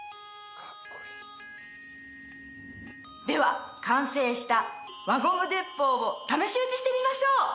では完成した輪ゴム鉄砲を試し撃ちしてみましょう。